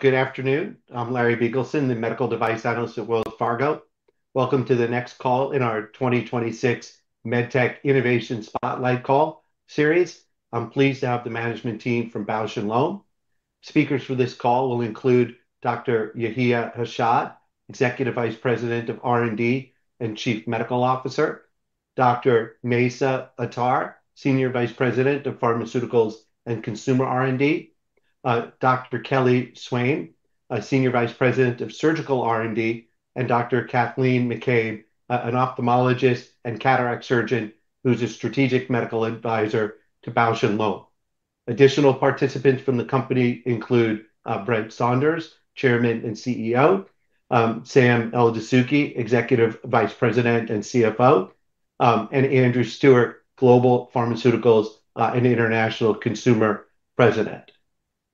Good afternoon. I'm Larry Biegelsen, the medical device analyst at Wells Fargo. Welcome to the next call in our 2026 MedTech Innovation Spotlight call series. I'm pleased to have the management team from Bausch + Lomb. Speakers for this call will include Dr. Yehia Hashad, Executive Vice President of R&D and Chief Medical Officer, Dr. Mayssa Attar, Senior Vice President of Pharmaceuticals and Consumer R&D, Dr. Kelly Swaim, a Senior Vice President of Surgical R&D, and Dr. Cathleen McCabe, an ophthalmologist and cataract surgeon who's a strategic medical advisor to Bausch + Lomb. Additional participants from the company include Brent Saunders, Chairman and CEO, Sam Eldessouky, Executive Vice President and CFO, and Andrew Stewart, Global Pharmaceuticals and International Consumer President.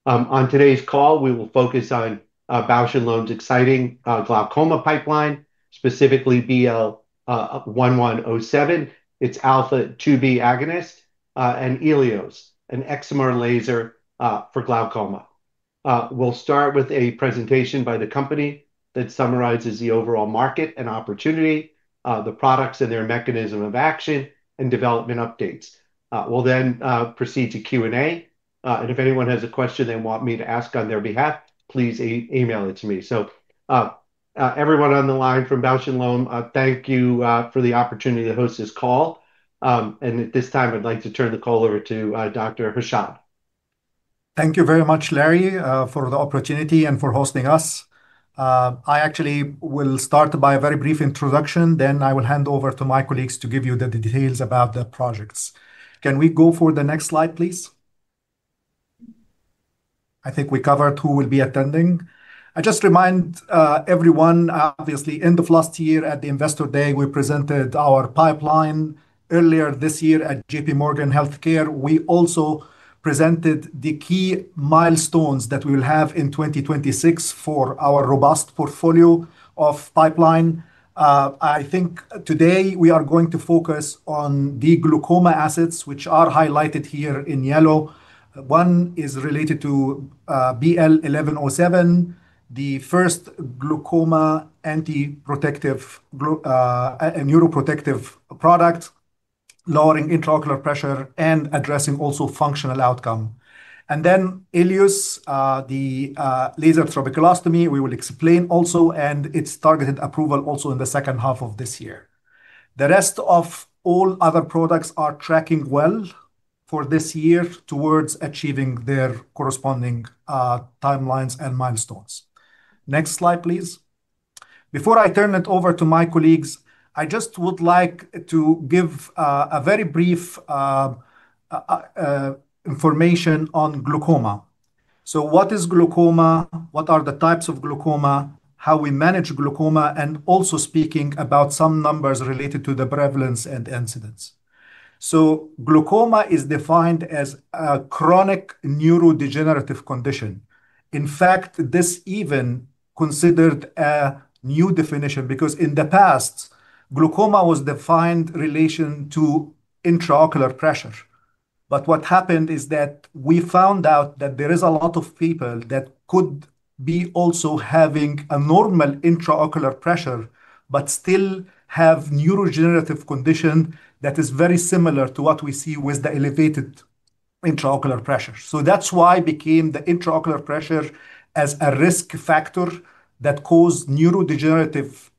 On today's call, we will focus on Bausch + Lomb's exciting glaucoma pipeline, specifically BL 1107, its alpha-2B agonist, and ELIOS, an excimer laser for glaucoma. We'll start with a presentation by the company that summarizes the overall market and opportunity, the products and their mechanism of action and development updates. We'll then proceed to Q&A. If anyone has a question they want me to ask on their behalf, please email it to me. Everyone on the line from Bausch + Lomb, thank you for the opportunity to host this call. At this time, I'd like to turn the call over to Dr. Hashad. Thank you very much, Larry, for the opportunity and for hosting us. I actually will start by a very brief introduction, then I will hand over to my colleagues to give you the details about the projects. Can we go for the next slide, please? I think we covered who will be attending. I just remind everyone, obviously end of last year at the Investor Day, we presented our pipeline. Earlier this year at J.P. Morgan Healthcare, we also presented the key milestones that we will have in 2026 for our robust portfolio of pipeline. I think today we are going to focus on the glaucoma assets, which are highlighted here in yellow. One is related to BL 1107, the first glaucoma neuroprotective product, lowering intraocular pressure and addressing also functional outcome. ELIOS, the laser trabeculostomy, we will explain also, and its targeted approval also in the second half of this year. The rest of all other products are tracking well for this year towards achieving their corresponding timelines and milestones. Next slide, please. Before I turn it over to my colleagues, I just would like to give a very brief information on glaucoma. What is glaucoma? What are the types of glaucoma? How we manage glaucoma, and also speaking about some numbers related to the prevalence and incidence. Glaucoma is defined as a chronic neurodegenerative condition. In fact, this is even considered a new definition because in the past, glaucoma was defined in relation to intraocular pressure. What happened is that we found out that there is a lot of people that could be also having a normal intraocular pressure, but still have neurodegenerative condition that is very similar to what we see with the elevated intraocular pressure. That's why became the intraocular pressure as a risk factor that cause neurodegenerative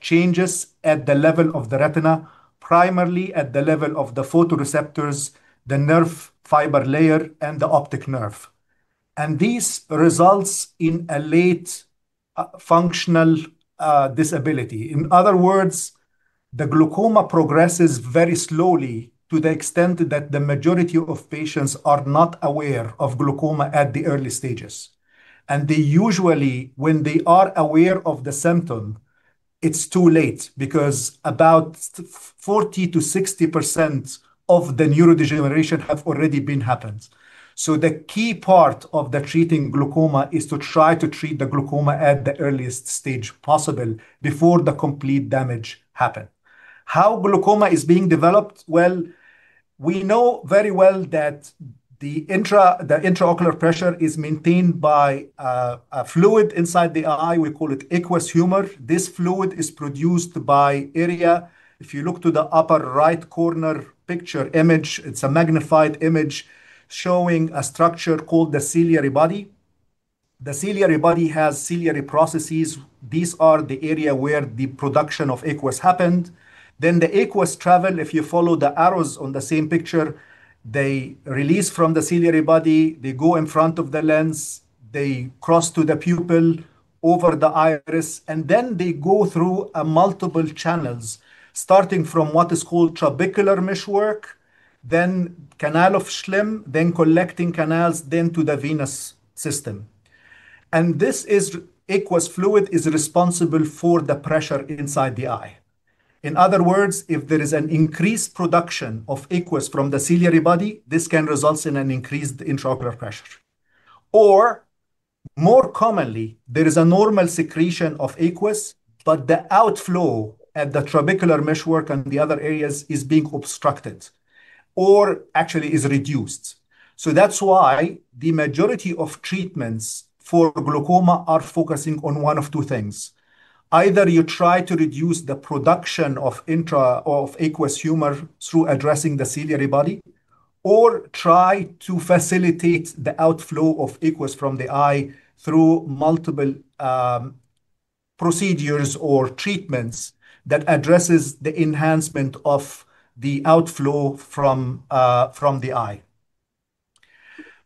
changes at the level of the retina, primarily at the level of the photoreceptors, the nerve fiber layer, and the optic nerve. This results in a late functional disability. In other words, the glaucoma progresses very slowly to the extent that the majority of patients are not aware of glaucoma at the early stages. They usually, when they are aware of the symptom, it's too late because about 40%-60% of the neurodegeneration have already been happened. The key part of the treating glaucoma is to try to treat the glaucoma at the earliest stage possible before the complete damage happen. How glaucoma is being developed? We know very well that the intraocular pressure is maintained by a fluid inside the eye, we call it aqueous humor. This fluid is produced by area. If you look to the upper right corner picture image, it's a magnified image showing a structure called the ciliary body. The ciliary body has ciliary processes. These are the area where the production of aqueous happened. The aqueous travel, if you follow the arrows on the same picture, they release from the ciliary body, they go in front of the lens, they cross to the pupil over the iris, and then they go through a multiple channels, starting from what is called trabecular meshwork, then canal of Schlemm, then collecting canals, then to the venous system. This aqueous fluid is responsible for the pressure inside the eye. In other words, if there is an increased production of aqueous from the ciliary body, this can result in an increased intraocular pressure. Or, more commonly, there is a normal secretion of aqueous, but the outflow at the trabecular meshwork and the other areas is being obstructed or actually is reduced. That's why the majority of treatments for glaucoma are focusing on one of two things. Either you try to reduce the production of aqueous humor through addressing the ciliary body, or try to facilitate the outflow of aqueous from the eye through multiple procedures or treatments that addresses the enhancement of the outflow from the eye.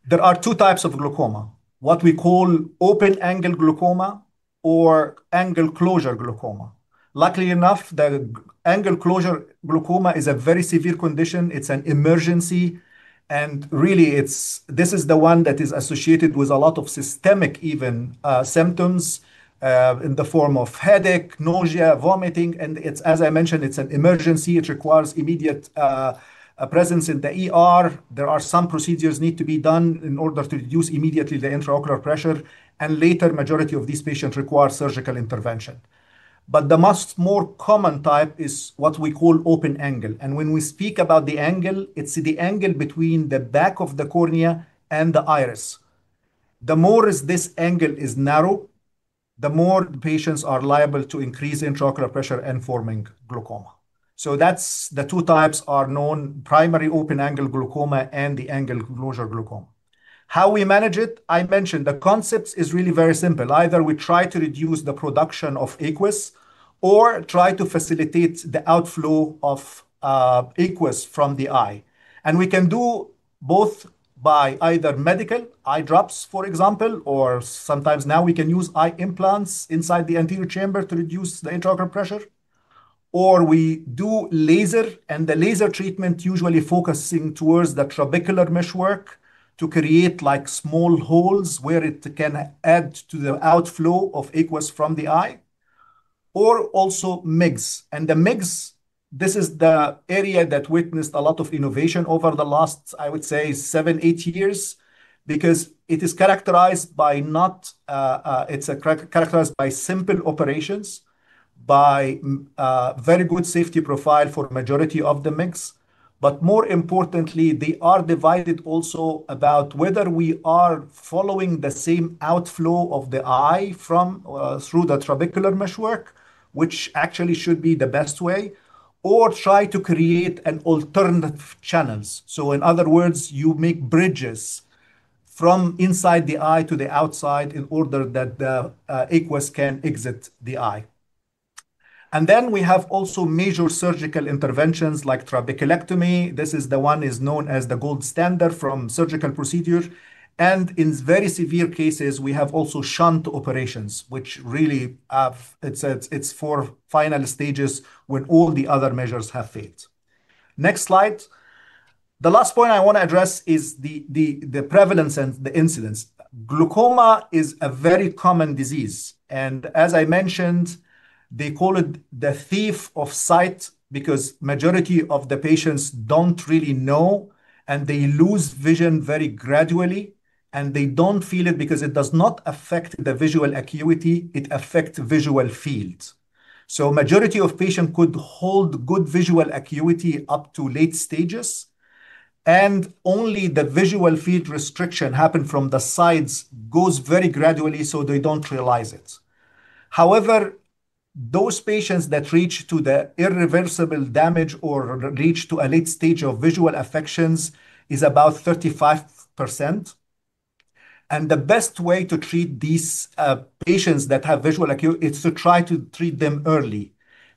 There are two types of glaucoma, what we call open-angle glaucoma or angle-closure glaucoma. Luckily enough, the angle-closure glaucoma is a very severe condition. It's an emergency and really it's this is the one that is associated with a lot of systemic even symptoms in the form of headache, nausea, vomiting. It's, as I mentioned, it's an emergency. It requires immediate presence in the ER. There are some procedures need to be done in order to reduce immediately the intraocular pressure, and later majority of these patients require surgical intervention. The most common type is what we call open-angle. When we speak about the angle, it's the angle between the back of the cornea and the iris. The narrower this angle is, the more patients are liable to increase intraocular pressure and forming glaucoma. That's the two types are known, primary open-angle glaucoma and the angle-closure glaucoma. How we manage it, I mentioned the concepts is really very simple. Either we try to reduce the production of aqueous or try to facilitate the outflow of aqueous from the eye. We can do both by either medical, eye drops for example, or sometimes now we can use eye implants inside the anterior chamber to reduce the intraocular pressure. We do laser, and the laser treatment usually focusing towards the trabecular meshwork to create like small holes where it can add to the outflow of aqueous from the eye, or also MIGS. The MIGS, this is the area that witnessed a lot of innovation over the last, I would say, 7 years-8 years because it's characterized by simple operations, by very good safety profile for majority of the MIGS. More importantly, they are divided also about whether we are following the same outflow of the eye from through the trabecular meshwork, which actually should be the best way, or try to create an alternative channels. In other words, you make bridges from inside the eye to the outside in order that the aqueous can exit the eye. We have also major surgical interventions like trabeculectomy. This is the one is known as the gold standard for surgical procedure. In very severe cases, we have also shunt operations, which really, it's for final stages when all the other measures have failed. Next slide. The last point I want to address is the prevalence and the incidence. Glaucoma is a very common disease, and as I mentioned, they call it the thief of sight because majority of the patients don't really know, and they lose vision very gradually, and they don't feel it because it does not affect the visual acuity, it affect visual field. Majority of patient could hold good visual acuity up to late stages, and only the visual field restriction happen from the sides goes very gradually, so they don't realize it. However, those patients that reach to the irreversible damage or reach to a late stage of visual affections is about 35%. The best way to treat these patients that have visual acuity is to try to treat them early.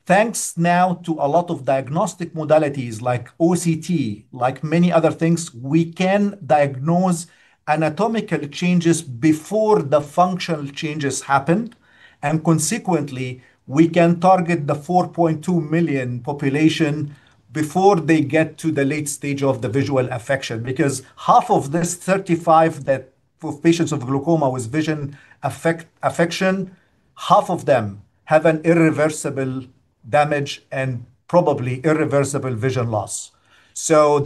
Thanks to a lot of diagnostic modalities like OCT, like many other things, we can diagnose anatomical changes before the functional changes happen. Consequently, we can target the 4.2 million population before they get to the late stage of the visual affection. Because half of this 35 that for patients of glaucoma with vision affection, half of them have an irreversible damage and probably irreversible vision loss.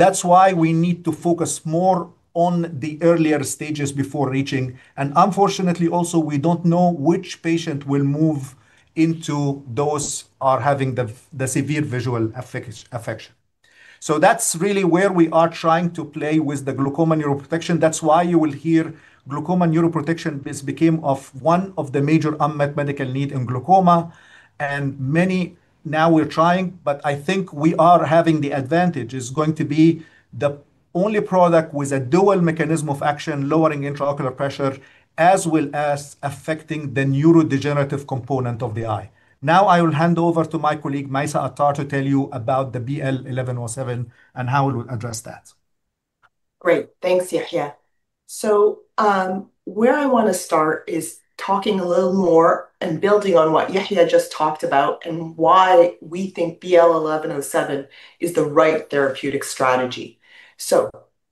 That's why we need to focus more on the earlier stages before reaching. Unfortunately also we don't know which patient will move into those are having the severe visual affection. That's really where we are trying to play with the glaucoma neuroprotection. That's why you will hear glaucoma neuroprotection is became of one of the major unmet medical need in glaucoma. Many now are trying, but I think we are having the advantage. It's going to be the only product with a dual mechanism of action, lowering intraocular pressure, as well as affecting the neurodegenerative component of the eye. Now, I will hand over to my colleague, Mayssa Attar, to tell you about the BL 1107 and how it will address that. Great. Thanks, Yehia. Where I want to start is talking a little more and building on what Yehia just talked about and why we think BL 1107 is the right therapeutic strategy.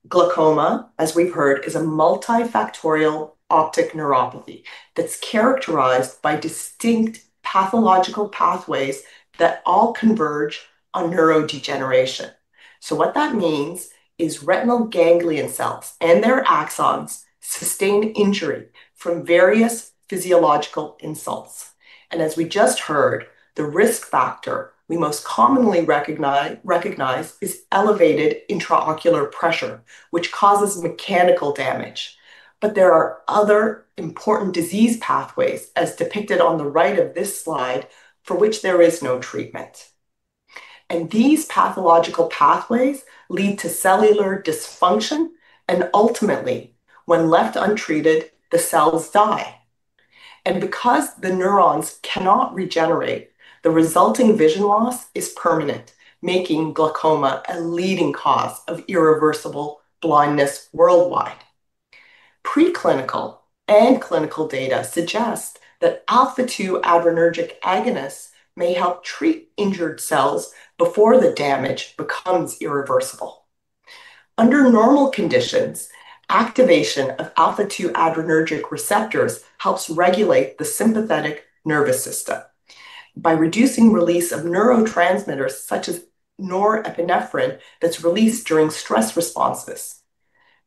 Glaucoma, as we've heard, is a multifactorial optic neuropathy that's characterized by distinct pathological pathways that all converge on neurodegeneration. What that means is retinal ganglion cells and their axons sustain injury from various physiological insults. As we just heard, the risk factor we most commonly recognize is elevated intraocular pressure, which causes mechanical damage. There are other important disease pathways, as depicted on the right of this slide, for which there is no treatment. These pathological pathways lead to cellular dysfunction, and ultimately, when left untreated, the cells die. Because the neurons cannot regenerate, the resulting vision loss is permanent, making glaucoma a leading cause of irreversible blindness worldwide. Preclinical and clinical data suggest that alpha-2 adrenergic agonists may help treat injured cells before the damage becomes irreversible. Under normal conditions, activation of alpha-2 adrenergic receptors helps regulate the sympathetic nervous system by reducing release of neurotransmitters such as norepinephrine that's released during stress responses.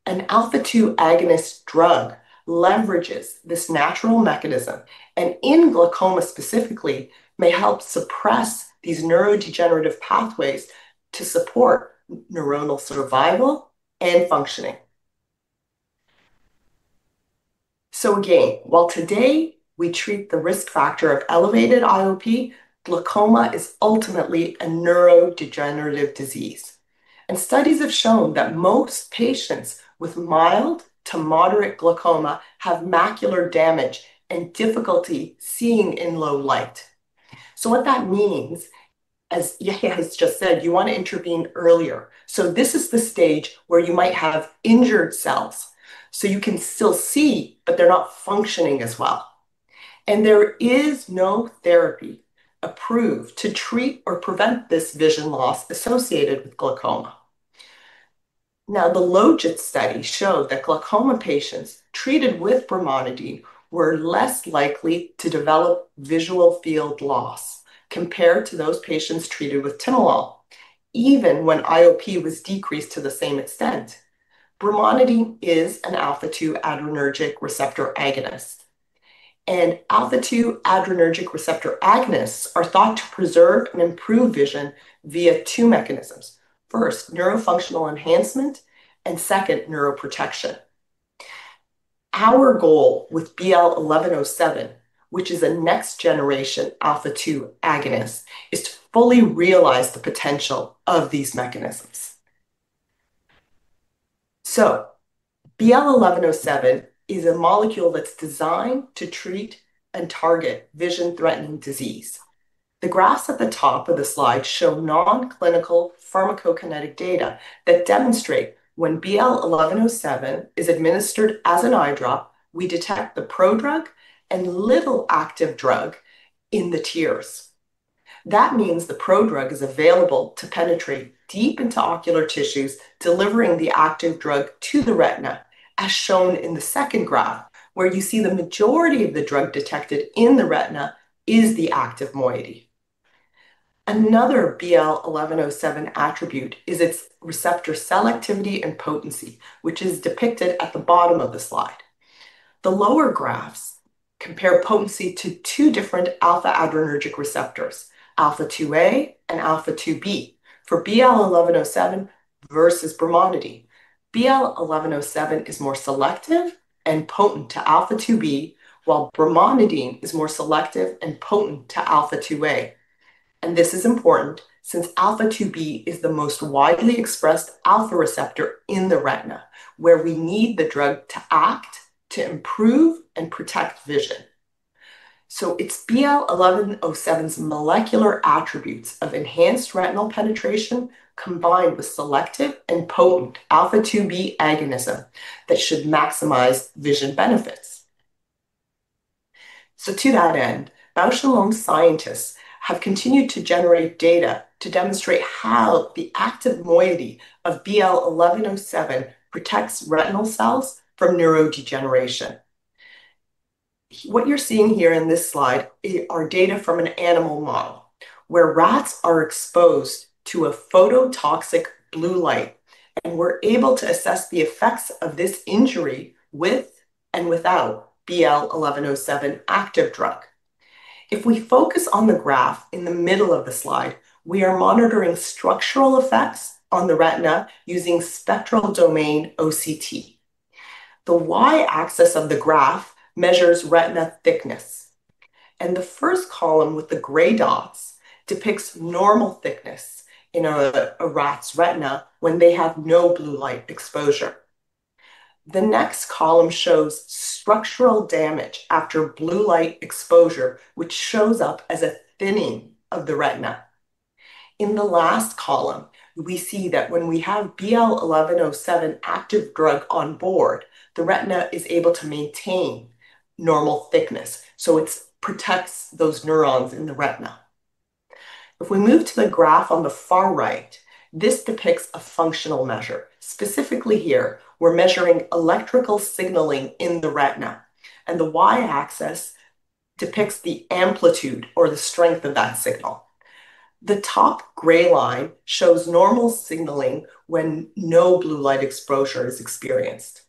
An alpha-2 agonist drug leverages this natural mechanism, and in glaucoma specifically, may help suppress these neurodegenerative pathways to support neuronal survival and functioning. Again, while today we treat the risk factor of elevated IOP, glaucoma is ultimately a neurodegenerative disease. Studies have shown that most patients with mild to moderate glaucoma have macular damage and difficulty seeing in low light. What that means, as Yehia has just said, you want to intervene earlier. This is the stage where you might have injured cells, so you can still see that they're not functioning as well. There is no therapy approved to treat or prevent this vision loss associated with glaucoma. Now, the LoGTS study showed that glaucoma patients treated with brimonidine were less likely to develop visual field loss compared to those patients treated with timolol, even when IOP was decreased to the same extent. Brimonidine is an alpha-2 adrenergic receptor agonist, and alpha-2 adrenergic receptor agonists are thought to preserve and improve vision via two mechanisms. First, neurofunctional enhancement, and second, neuroprotection. Our goal with BL 1107, which is a next-generation alpha-2 agonist, is to fully realize the potential of these mechanisms. BL 1107 is a molecule that's designed to treat and target vision-threatening disease. The graphs at the top of the slide show non-clinical pharmacokinetic data that demonstrate when BL 1107 is administered as an eye drop, we detect the prodrug and little active drug in the tears. That means the prodrug is available to penetrate deep into ocular tissues, delivering the active drug to the retina, as shown in the second graph, where you see the majority of the drug detected in the retina is the active moiety. Another BL 1107 attribute is its receptor cell activity and potency, which is depicted at the bottom of the slide. The lower graphs compare potency to two different alpha-2 adrenergic receptors, alpha-2A and alpha-2B, for BL 1107 versus brimonidine. BL 1107 is more selective and potent to alpha-2B, while brimonidine is more selective and potent to alpha-2A. This is important since alpha-2B is the most widely expressed alpha receptor in the retina, where we need the drug to act to improve and protect vision. It's BL 1107's molecular attributes of enhanced retinal penetration combined with selective and potent alpha-2B agonism that should maximize vision benefits. To that end, Bausch + Lomb scientists have continued to generate data to demonstrate how the active moiety of BL 1107 protects retinal cells from neurodegeneration. What you're seeing here in this slide are data from an animal model, where rats are exposed to a phototoxic blue light, and we're able to assess the effects of this injury with and without BL 1107 active drug. If we focus on the graph in the middle of the slide, we are monitoring structural effects on the retina using Spectral Domain OCT. The Y-axis of the graph measures retina thickness, and the first column with the gray dots depicts normal thickness in a rat's retina when they have no blue light exposure. The next column shows structural damage after blue light exposure, which shows up as a thinning of the retina. In the last column, we see that when we have BL 1107 active drug on board, the retina is able to maintain normal thickness, so it protects those neurons in the retina. If we move to the graph on the far right, this depicts a functional measure. Specifically here, we're measuring electrical signaling in the retina, and the Y-axis depicts the amplitude or the strength of that signal. The top gray line shows normal signaling when no blue light exposure is experienced.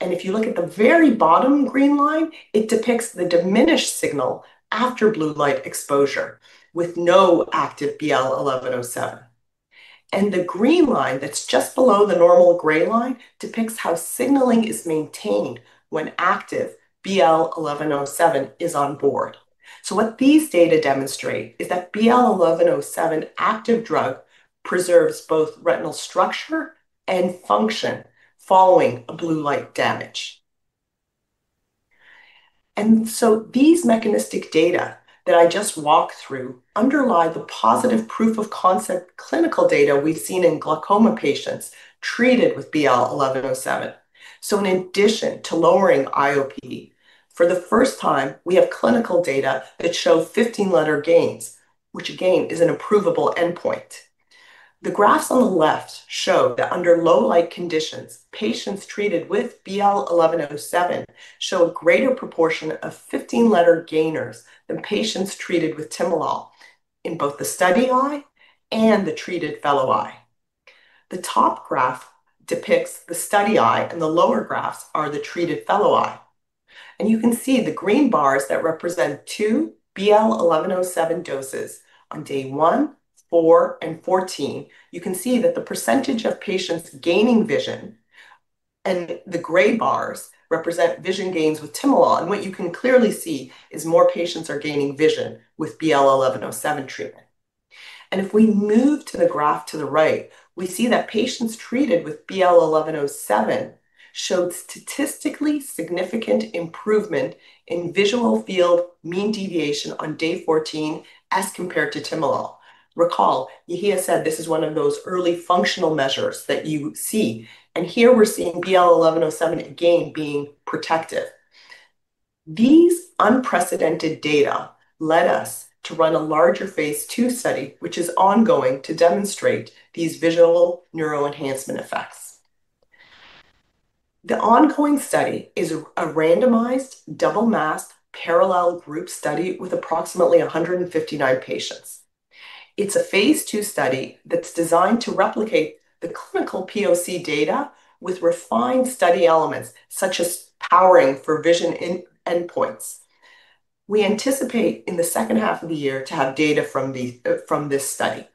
If you look at the very bottom green line, it depicts the diminished signal after blue light exposure with no active BL 1107. The green line that's just below the normal gray line depicts how signaling is maintained when active BL 1107 is on board. What these data demonstrate is that BL 1107 active drug preserves both retinal structure and function following a blue light damage. These mechanistic data that I just walked through underlie the positive proof of concept clinical data we've seen in glaucoma patients treated with BL1107. In addition to lowering IOP, for the first time, we have clinical data that show 15-letter gains, which again is an approvable endpoint. The graphs on the left show that under low light conditions, patients treated with BL 1107 show a greater proportion of 15-letter gainers than patients treated with timolol in both the study eye and the treated fellow eye. The top graph depicts the study eye, and the lower graphs are the treated fellow eye. You can see the green bars that represent two BL 1107 doses on day one, four, and 14. You can see that the percentage of patients gaining vision, and the gray bars represent vision gains with timolol. What you can clearly see is more patients are gaining vision with BL 1107 treatment. If we move to the graph to the right, we see that patients treated with BL 1107 showed statistically significant improvement in visual field mean deviation on day 14 as compared to timolol. Recall, Yehia said this is one of those early functional measures that you see. Here we're seeing BL 1107 again being protective. These unprecedented data led us to run a larger phase II study, which is ongoing to demonstrate these visual neural enhancement effects. The ongoing study is a randomized double-masked parallel group study with approximately 159 patients. It's a phase II study that's designed to replicate the clinical POC data with refined study elements, such as powering for vision endpoints. We anticipate in the second half of the year to have data from this study.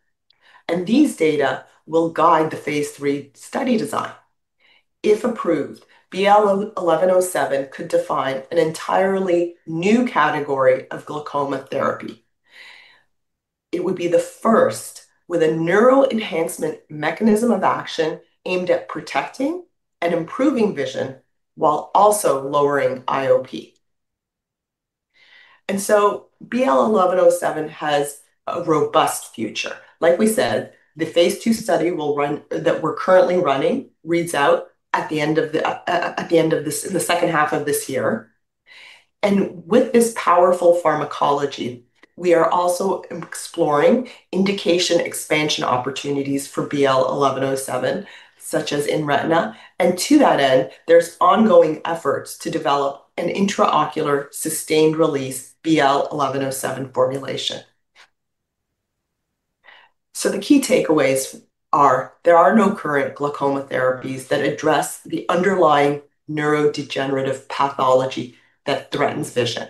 These data will guide the phase III study design. If approved, BL 1107 could define an entirely new category of glaucoma therapy. It would be the first with a neuroenhancement mechanism of action aimed at protecting and improving vision while also lowering IOP. BL 1107 has a robust future. Like we said, the phase II study that we're currently running reads out at the end of the second half of this year. With this powerful pharmacology, we are also exploring indication expansion opportunities for BL 1107, such as in retina. To that end, there's ongoing efforts to develop an intraocular sustained release BL 1107 formulation. The key takeaways are there are no current glaucoma therapies that address the underlying neurodegenerative pathology that threatens vision.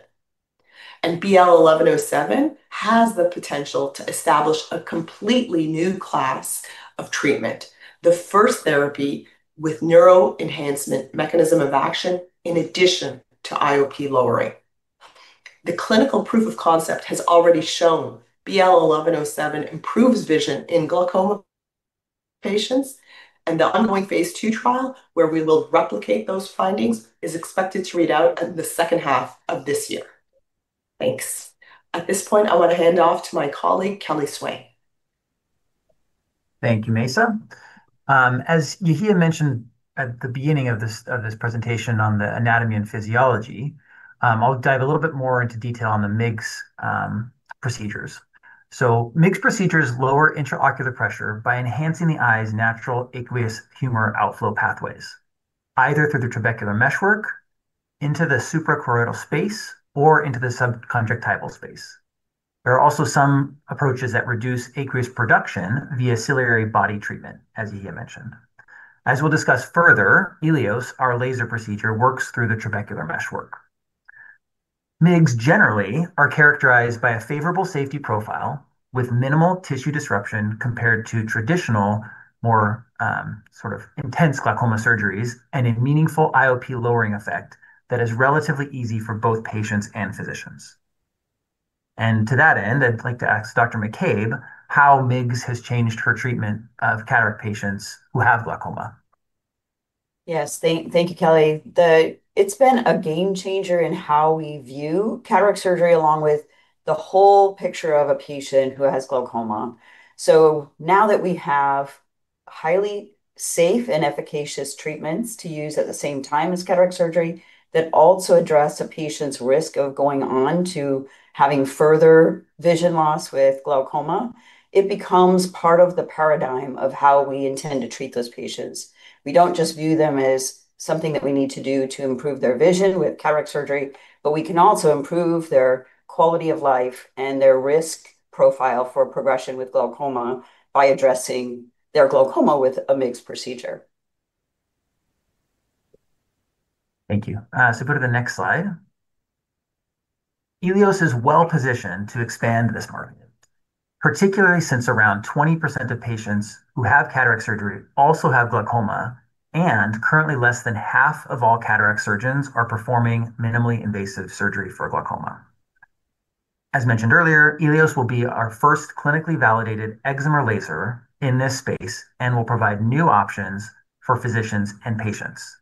BL 1107 has the potential to establish a completely new class of treatment, the first therapy with neuroenhancement mechanism of action in addition to IOP lowering. The clinical proof of concept has already shown BL 1107 improves vision in glaucoma patients, and the ongoing phase II trial, where we will replicate those findings, is expected to read out in the second half of this year. Thanks. At this point, I want to hand off to my colleague, Kelly Swaim. Thank you, Mayssa. As Yehia mentioned at the beginning of this presentation on the anatomy and physiology, I'll dive a little bit more into detail on the MIGS procedures. MIGS procedures lower intraocular pressure by enhancing the eye's natural aqueous humor outflow pathways, either through the trabecular meshwork into the suprachoroidal space or into the subconjunctival space. There are also some approaches that reduce aqueous production via ciliary body treatment, as Yehia mentioned. As we'll discuss further, ELIOS, our laser procedure, works through the trabecular meshwork. MIGS generally are characterized by a favorable safety profile with minimal tissue disruption compared to traditional, more sort of intense glaucoma surgeries and a meaningful IOP lowering effect that is relatively easy for both patients and physicians. To that end, I'd like to ask Dr. McCabe how MIGS has changed her treatment of cataract patients who have glaucoma. Yes. Thank you, Kelly. It's been a game changer in how we view cataract surgery along with the whole picture of a patient who has glaucoma. Now that we have highly safe and efficacious treatments to use at the same time as cataract surgery that also address a patient's risk of going on to having further vision loss with glaucoma. It becomes part of the paradigm of how we intend to treat those patients. We don't just view them as something that we need to do to improve their vision with cataract surgery, but we can also improve their quality of life and their risk profile for progression with glaucoma by addressing their glaucoma with a MIGS procedure. Thank you. Go to the next slide. ELIOS is well-positioned to expand this market, particularly since around 20% of patients who have cataract surgery also have glaucoma, and currently less than half of all cataract surgeons are performing minimally invasive surgery for glaucoma. As mentioned earlier, ELIOS will be our first clinically validated excimer laser in this space and will provide new options for physicians and patients.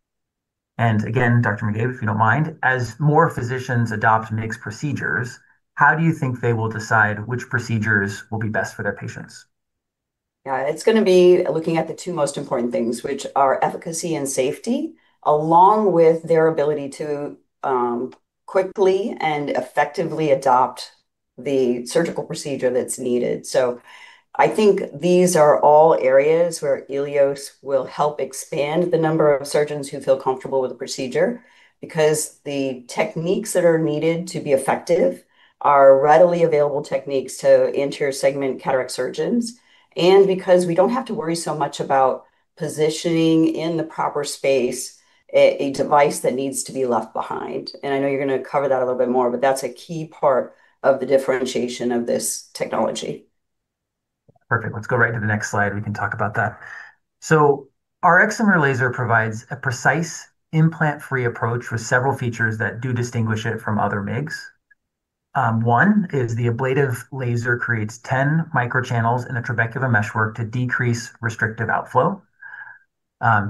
Again, Dr. McCabe, if you don't mind, as more physicians adopt MIGS procedures, how do you think they will decide which procedures will be best for their patients? Yeah. It's gonna be looking at the two most important things, which are efficacy and safety, along with their ability to quickly and effectively adopt the surgical procedure that's needed. I think these are all areas where ELIOS will help expand the number of surgeons who feel comfortable with the procedure because the techniques that are needed to be effective are readily available techniques to anterior segment cataract surgeons, and because we don't have to worry so much about positioning in the proper space a device that needs to be left behind. I know you're gonna cover that a little bit more, but that's a key part of the differentiation of this technology. Perfect. Let's go right to the next slide. We can talk about that. Our excimer laser provides a precise implant-free approach with several features that do distinguish it from other MIGS. One is the ablative laser creates 10 microchannels in the trabecular meshwork to decrease restrictive outflow.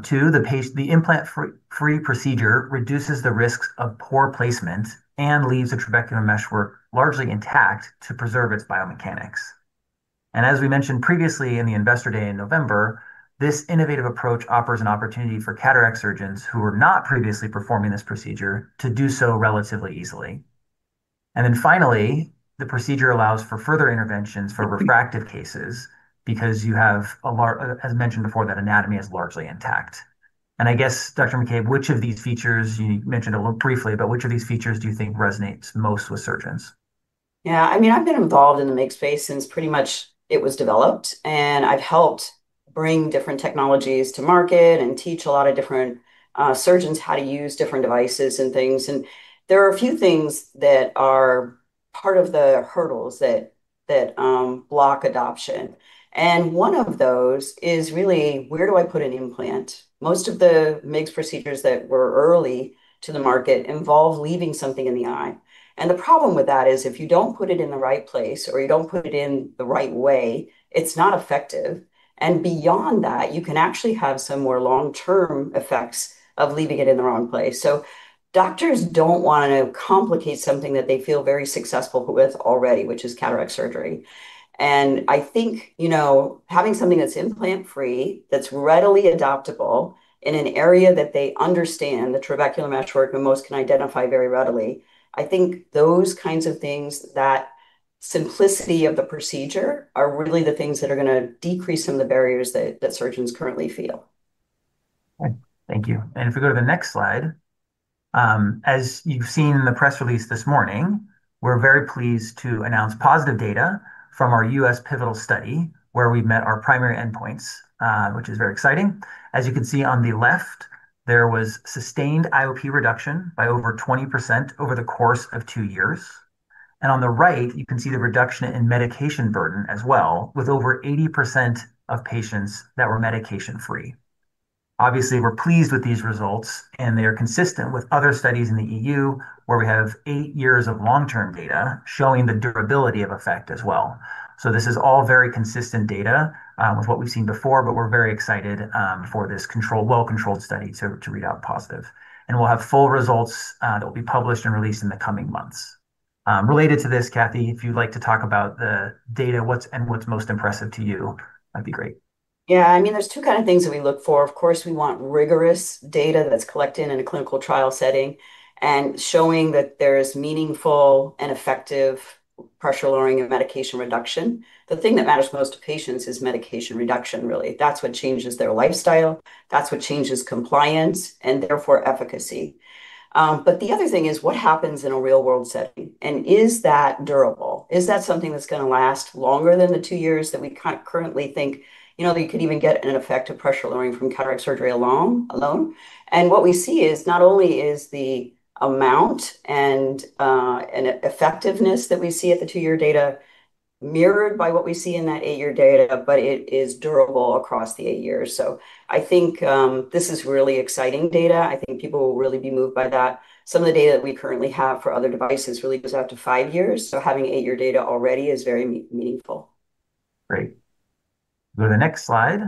Two, the implant-free procedure reduces the risks of poor placement and leaves the trabecular meshwork largely intact to preserve its biomechanics. As we mentioned previously in the Investor Day in November, this innovative approach offers an opportunity for cataract surgeons who were not previously performing this procedure to do so relatively easily. Then finally, the procedure allows for further interventions for refractive cases because, as mentioned before, that anatomy is largely intact. I guess, Dr. McCabe, which of these features, you mentioned a little briefly, but which of these features do you think resonates most with surgeons? Yeah. I mean, I've been involved in the MIGS space since pretty much it was developed, and I've helped bring different technologies to market and teach a lot of different surgeons how to use different devices and things. There are a few things that are part of the hurdles that block adoption, and one of those is really where do I put an implant? Most of the MIGS procedures that were early to the market involve leaving something in the eye. The problem with that is if you don't put it in the right place or you don't put it in the right way, it's not effective. Beyond that, you can actually have some more long-term effects of leaving it in the wrong place. Doctors don't wanna complicate something that they feel very successful with already, which is cataract surgery. I think, you know, having something that's implant-free, that's readily adoptable in an area that they understand, the trabecular meshwork, most can identify very readily. I think those kinds of things, that simplicity of the procedure, are really the things that are gonna decrease some of the barriers that surgeons currently feel. Right. Thank you. If we go to the next slide. As you've seen in the press release this morning, we're very pleased to announce positive data from our U.S. pivotal study where we met our primary endpoints, which is very exciting. As you can see on the left, there was sustained IOP reduction by over 20% over the course of two years. On the right, you can see the reduction in medication burden as well with over 80% of patients that were medication-free. Obviously, we're pleased with these results, and they are consistent with other studies in the EU, where we have eight years of long-term data showing the durability of effect as well. This is all very consistent data of what we've seen before, but we're very excited for this well-controlled study to read out positive. We'll have full results that will be published and released in the coming months. Related to this, Cathy, if you'd like to talk about the data, what's most impressive to you, that'd be great. Yeah. I mean, there's two kind of things that we look for. Of course, we want rigorous data that's collected in a clinical trial setting and showing that there is meaningful and effective pressure lowering and medication reduction. The thing that matters most to patients is medication reduction, really. That's what changes their lifestyle. That's what changes compliance and therefore efficacy. But the other thing is what happens in a real-world setting, and is that durable? Is that something that's gonna last longer than the 2 years that we currently think? You know, they could even get an effective pressure lowering from cataract surgery alone. What we see is not only is the amount and effectiveness that we see at the 2-year data mirrored by what we see in that 8-year data, but it is durable across the 8 years. I think this is really exciting data. I think people will really be moved by that. Some of the data that we currently have for other devices really goes out to five years, so having eight-year data already is very meaningful. Great. Go to the next slide.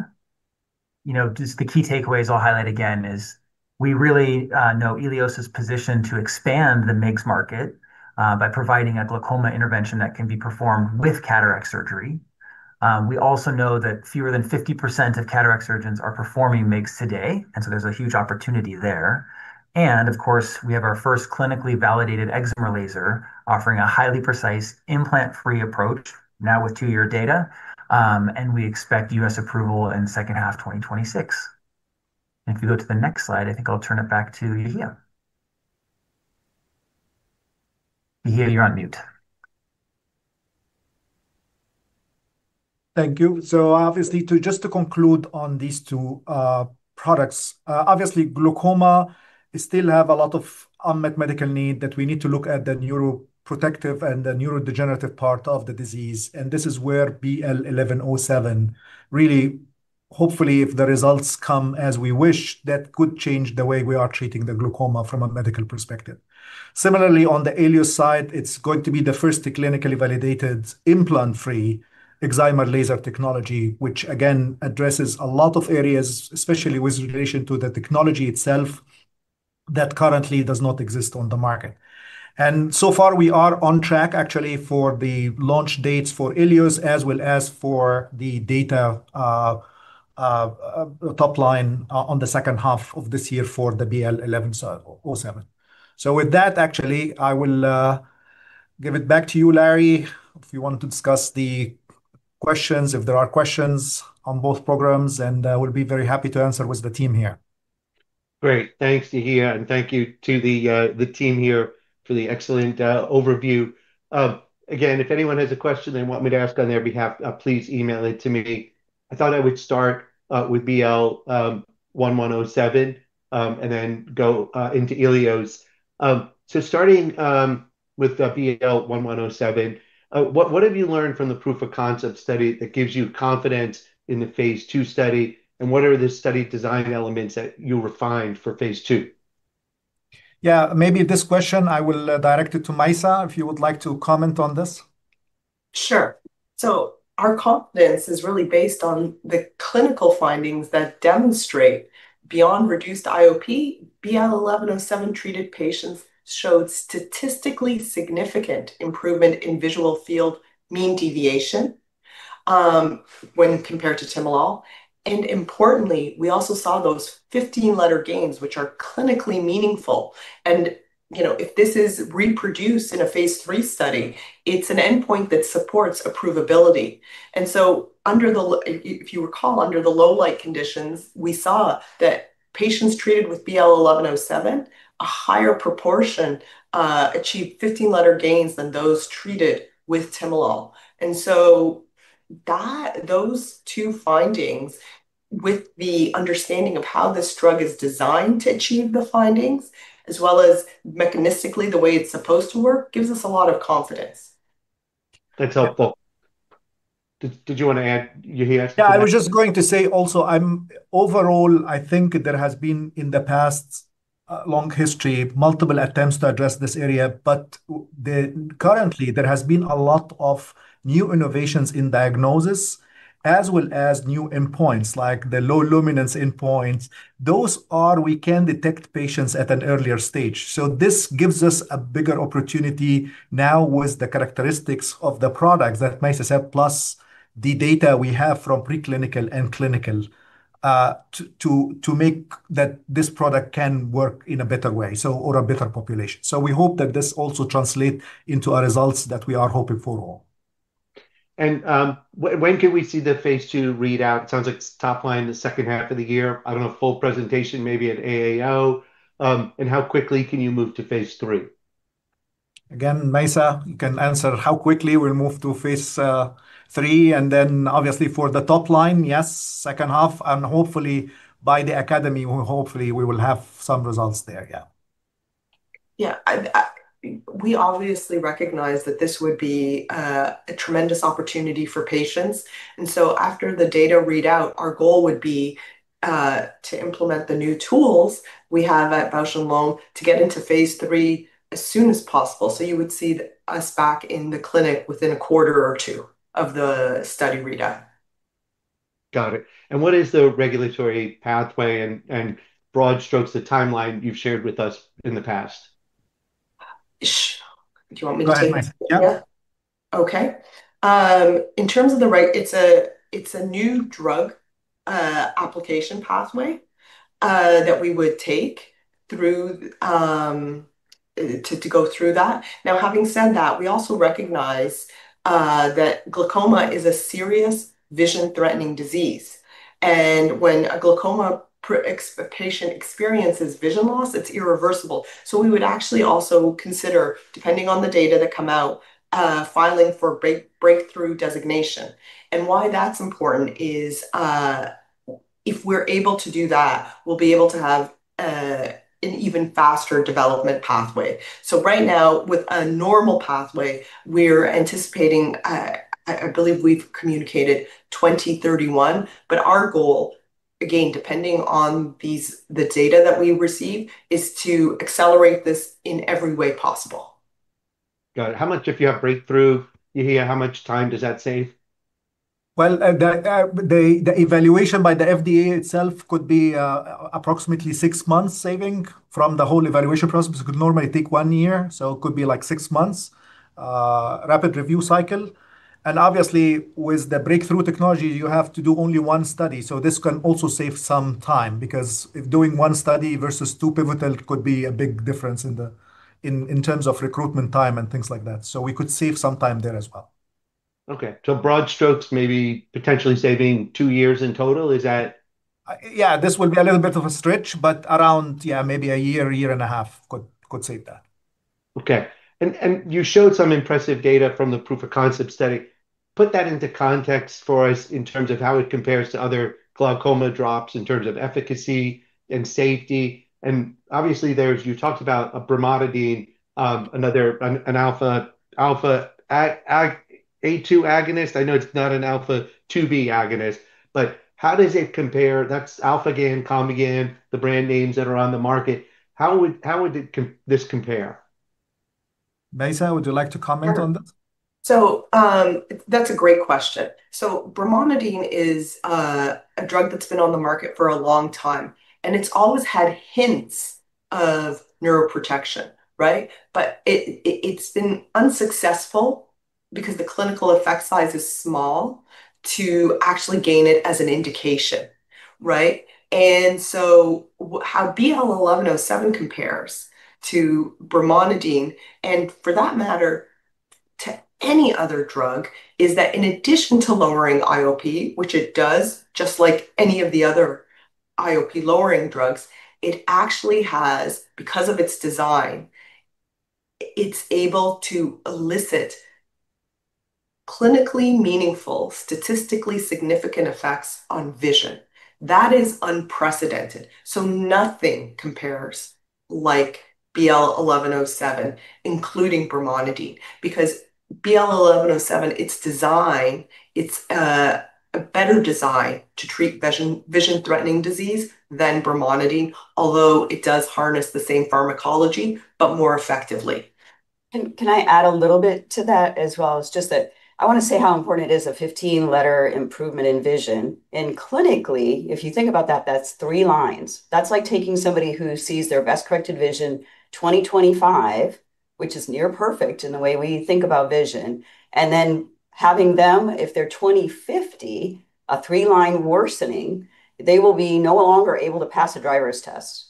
You know, just the key takeaways I'll highlight again is. We really know ELIOS is positioned to expand the MIGS market by providing a glaucoma intervention that can be performed with cataract surgery. We also know that fewer than 50% of cataract surgeons are performing MIGS today, and so there's a huge opportunity there. Of course, we have our first clinically validated excimer laser offering a highly precise implant-free approach now with two-year data, and we expect U.S. approval in second half 2026. If you go to the next slide, I think I'll turn it back to Yehia. Yehia, you're on mute. Thank you. Obviously just to conclude on these two products. Obviously glaucoma still have a lot of unmet medical need that we need to look at the neuroprotective and the neurodegenerative part of the disease. This is where BL 1107 really, hopefully if the results come as we wish, that could change the way we are treating the glaucoma from a medical perspective. Similarly, on the ELIOS side, it's going to be the first clinically validated implant-free excimer laser technology, which again addresses a lot of areas, especially with relation to the technology itself that currently does not exist on the market. So far we are on track actually for the launch dates for ELIOS as well as for the data, top line on the second half of this year for the BL 1107. With that, actually, I will give it back to you, Larry, if you want to discuss the questions, if there are questions on both programs, and we'll be very happy to answer with the team here. Great. Thanks, Yehia, and thank you to the team here for the excellent overview. Again, if anyone has a question they want me to ask on their behalf, please email it to me. I thought I would start with BL 1107 and then go into ELIOS. Starting with the BL 1107, what have you learned from the proof-of-concept study that gives you confidence in the phase II study, and what are the study design elements that you refined for phase II? Yeah, maybe this question I will direct it to Mayssa, if you would like to comment on this. Sure. Our confidence is really based on the clinical findings that demonstrate beyond reduced IOP, BL 1107-treated patients showed statistically significant improvement in visual field mean deviation, when compared to timolol. Importantly, we also saw those 15-letter gains, which are clinically meaningful. You know, if this is reproduced in a phase III study, it's an endpoint that supports approvability. If you recall, under the low light conditions, we saw that patients treated with BL 1107, a higher proportion, achieved 15-letter gains than those treated with timolol. Those two findings, with the understanding of how this drug is designed to achieve the findings, as well as mechanistically the way it's supposed to work, gives us a lot of confidence. That's helpful. Did you want to add, Yehia? Yeah, I was just going to say also, overall, I think there has been in the past a long history, multiple attempts to address this area. Currently, there has been a lot of new innovations in diagnosis as well as new endpoints, like the low luminance endpoints. Those allow us to detect patients at an earlier stage. This gives us a bigger opportunity now with the characteristics of the products that Mayssa said, plus the data we have from preclinical and clinical to make that this product can work in a better way, so or a better population. We hope that this also translate into our results that we are hoping for all. When can we see the phase II readout? Sounds like it's top-line the second half of the year. I don't know, full presentation maybe at AAO. How quickly can you move to phase III? Again, Mayssa, you can answer how quickly we'll move to phase III. Then obviously for the top line, yes, second half, and hopefully by the academy, hopefully we will have some results there. Yeah. We obviously recognize that this would be a tremendous opportunity for patients. After the data readout, our goal would be to implement the new tools we have at Bausch + Lomb to get into phase III as soon as possible. You would see us back in the clinic within a quarter or two of the study readout. Got it. What is the regulatory pathway and in broad strokes, the timeline you've shared with us in the past? Do you want me to take this, Yehia? Yeah. Okay. In terms of the, it's a new drug application pathway that we would take through to go through that. Now, having said that, we also recognize that glaucoma is a serious vision-threatening disease. When a glaucoma patient experiences vision loss, it's irreversible. We would actually also consider, depending on the data that come out, filing for Breakthrough Designation. Why that's important is, if we're able to do that, we'll be able to have an even faster development pathway. Right now, with a normal pathway, we're anticipating. I believe we've communicated 2031. Our goal, again, depending on the data that we receive, is to accelerate this in every way possible. Got it. How much if you have breakthrough here, how much time does that save? Well, the evaluation by the FDA itself could be approximately 6 months saving from the whole evaluation process, because it could normally take 1 year. It could be like 6 months rapid review cycle. Obviously with the breakthrough technology, you have to do only one study. This can also save some time, because if doing one study versus two pivotal could be a big difference in terms of recruitment time and things like that. We could save some time there as well. Okay. Broad strokes, maybe potentially saving 2 years in total. Is that- Yeah, this would be a little bit of a stretch, but around, yeah, maybe a year, a year and a half could save that. Okay. You showed some impressive data from the proof of concept study. Put that into context for us in terms of how it compares to other glaucoma drops in terms of efficacy and safety. Obviously you talked about brimonidine, another, an alpha-2A agonist. I know it's not an alpha-2B agonist, but how does it compare? That's ALPHAGAN, COMBIGAN, the brand names that are on the market. How would this compare? Mayssa, would you like to comment on this? Sure. That's a great question. Brimonidine is a drug that's been on the market for a long time, and it's always had hints of neuroprotection, right? It has been unsuccessful because the clinical effect size is small to actually gain it as an indication, right? How BL 1107 compares to brimonidine, and for that matter, to any other drug, is that in addition to lowering IOP, which it does, just like any of the other IOP-lowering drugs, it actually has, because of its design, it's able to elicit clinically meaningful, statistically significant effects on vision. That is unprecedented. Nothing compares like BL 1107, including brimonidine. BL 1107, its design is a better design to treat vision-threatening disease than brimonidine, although it does harness the same pharmacology, but more effectively. Can I add a little bit to that as well? It's just that I want to say how important it is, a 15-letter improvement in vision. Clinically, if you think about that's three lines. That's like taking somebody who sees their best corrected vision 20/25, which is near perfect in the way we think about vision, and then having them, if they're 20/50, a three-line worsening, they will be no longer able to pass a driver's test.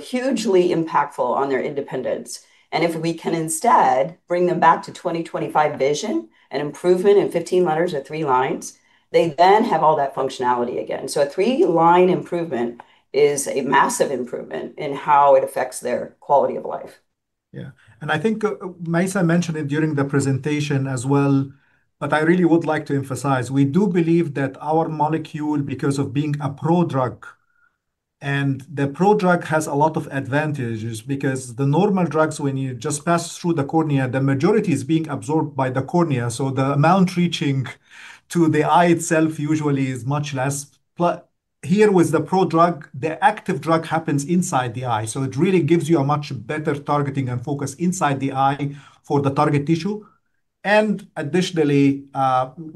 Hugely impactful on their independence. If we can instead bring them back to 20/25 vision, an improvement in 15 letters or three lines, they then have all that functionality again. A three-line improvement is a massive improvement in how it affects their quality of life. Yeah. I think Mayssa mentioned it during the presentation as well, but I really would like to emphasize, we do believe that our molecule, because of being a prodrug, and the prodrug has a lot of advantages because the normal drugs, when you just pass through the cornea, the majority is being absorbed by the cornea. The amount reaching to the eye itself usually is much less. Here with the prodrug, the active drug happens inside the eye, so it really gives you a much better targeting and focus inside the eye for the target tissue. Additionally,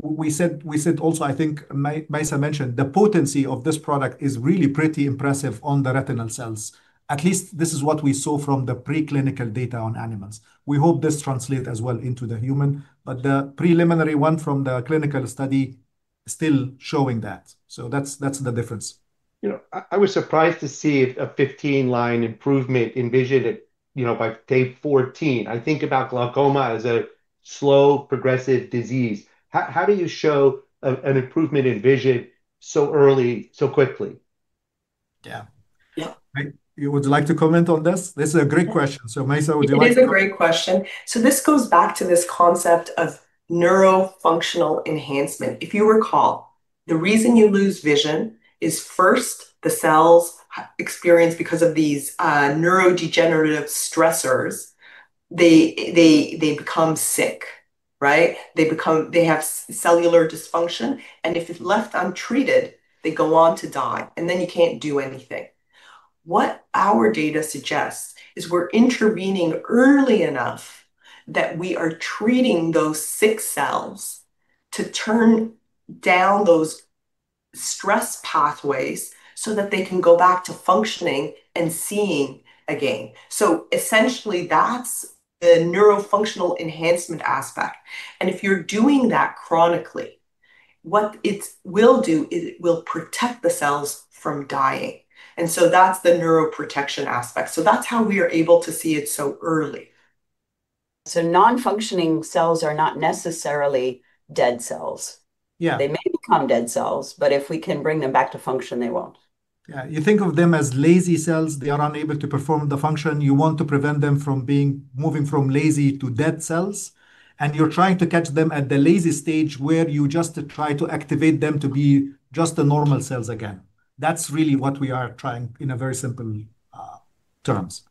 we said also, I think Mayssa mentioned, the potency of this product is really pretty impressive on the retinal cells. At least this is what we saw from the preclinical data on animals. We hope this translate as well into the human. The preliminary one from the clinical study still showing that. That's the difference. You know, I was surprised to see a 15-line improvement in vision at, you know, by day 14. I think about glaucoma as a slow progressive disease. How do you show an improvement in vision so early, so quickly? Yeah. Yeah. You would like to comment on this? This is a great question. Mayssa, would you like to- It is a great question. This goes back to this concept of neurofunctional enhancement. If you recall, the reason you lose vision is first the cells experience because of these neurodegenerative stressors. They become sick, right? They have subcellular dysfunction, and if left untreated, they go on to die, and then you can't do anything. What our data suggests is we're intervening early enough that we are treating those sick cells to turn down those stress pathways so that they can go back to functioning and seeing again. Essentially, that's the neurofunctional enhancement aspect. If you're doing that chronically, what it will do is it will protect the cells from dying. That's the neuroprotection aspect. That's how we are able to see it so early. Non-functioning cells are not necessarily dead cells. Yeah. They may become dead cells, but if we can bring them back to function, they won't. Yeah. You think of them as lazy cells. They are unable to perform the function. You want to prevent them from moving from lazy to dead cells, and you're trying to catch them at the lazy stage where you just try to activate them to be just the normal cells again. That's really what we are trying in a very simple terms.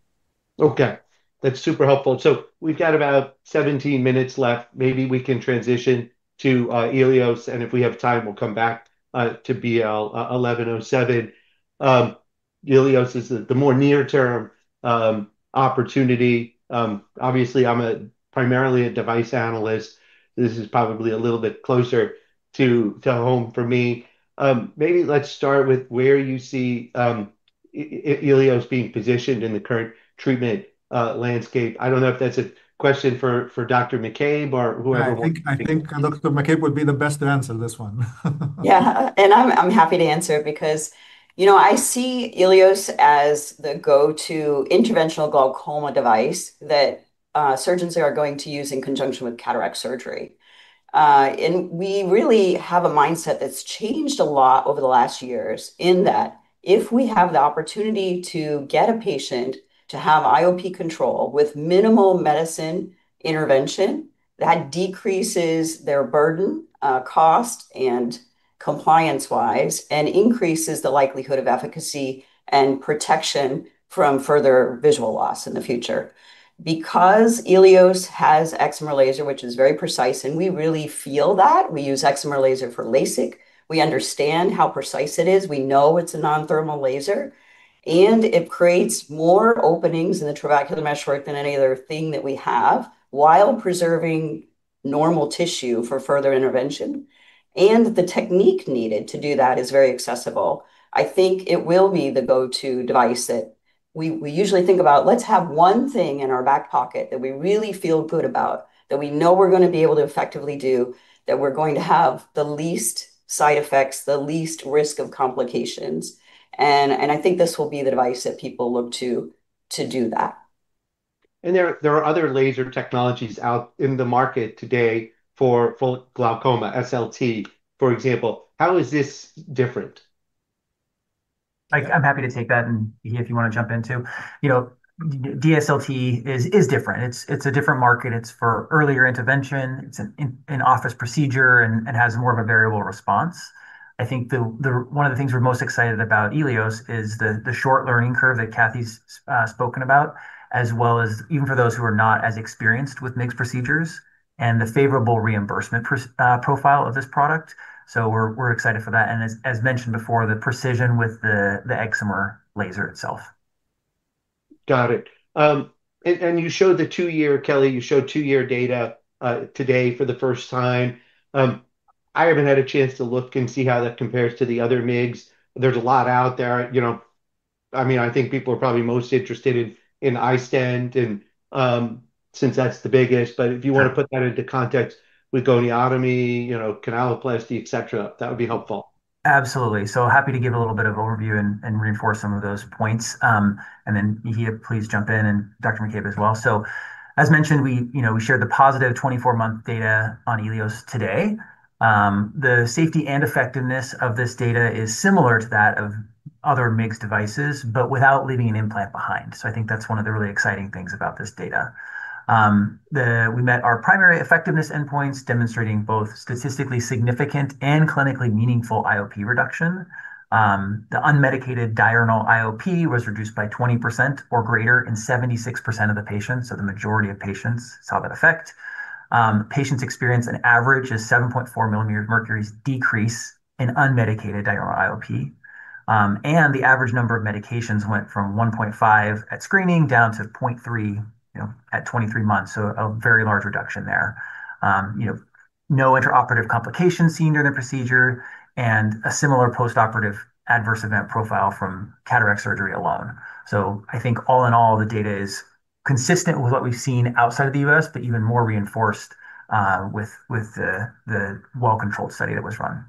Okay. That's super helpful. We've got about 17 minutes left. Maybe we can transition to ELIOS, and if we have time, we'll come back to BL 1107. ELIOS is the more near-term opportunity. Obviously I'm primarily a device analyst. This is probably a little bit closer to home for me. Maybe let's start with where you see ELIOS being positioned in the current treatment landscape. I don't know if that's a question for Dr. McCabe or whoever wants to take it. I think Dr. McCabe would be the best to answer this one. Yeah. I'm happy to answer it because, you know, I see ELIOS as the go-to interventional glaucoma device that surgeons are going to use in conjunction with cataract surgery. We really have a mindset that's changed a lot over the last years in that if we have the opportunity to get a patient to have IOP control with minimal medicine intervention, that decreases their burden, cost and compliance-wise, and increases the likelihood of efficacy and protection from further visual loss in the future. Because ELIOS has excimer laser, which is very precise, and we really feel that. We use excimer laser for LASIK. We understand how precise it is. We know it's a non-thermal laser, and it creates more openings in the trabecular meshwork than any other thing that we have, while preserving normal tissue for further intervention, and the technique needed to do that is very accessible. I think it will be the go-to device that we usually think about, let's have one thing in our back pocket that we really feel good about, that we know we're gonna be able to effectively do, that we're going to have the least side effects, the least risk of complications, and I think this will be the device that people look to do that. There are other laser technologies out in the market today for full glaucoma, SLT, for example. How is this different? I'm happy to take that, and yeah, if you wanna jump in, too. You know, DSLT is different. It's a different market. It's for earlier intervention. It's an in-office procedure and has more of a variable response. I think one of the things we're most excited about ELIOS is the short learning curve that Cathy's spoken about, as well as even for those who are not as experienced with MIGS procedures, and the favorable reimbursement profile of this product. So we're excited for that. As mentioned before, the precision with the excimer laser itself. Got it. You showed the two-year data, Kelly, today for the first time. I haven't had a chance to look and see how that compares to the other MIGS. There's a lot out there. You know, I mean, I think people are probably most interested in iStent since that's the biggest. If you want to put that into context with goniotomy, you know, canaloplasty, et cetera, that would be helpful. Absolutely. Happy to give a little bit of overview and reinforce some of those points. Yehia, please jump in, and Dr. McCabe as well. As mentioned, we, you know, we shared the positive 24-month data on ELIOS today. The safety and effectiveness of this data is similar to that of other MIGS devices, but without leaving an implant behind. I think that's one of the really exciting things about this data. We met our primary effectiveness endpoints, demonstrating both statistically significant and clinically meaningful IOP reduction. The unmedicated diurnal IOP was reduced by 20% or greater in 76% of the patients, so the majority of patients saw that effect. Patients experienced an average of 7.4 mm of mercury decrease in unmedicated diurnal IOP. The average number of medications went from 1.5 at screening down to 0.3, you know, at 23 months, so a very large reduction there. You know, no intraoperative complications seen during the procedure, and a similar postoperative adverse event profile from cataract surgery alone. I think all in all, the data is consistent with what we've seen outside of the U.S., but even more reinforced with the well-controlled study that was run.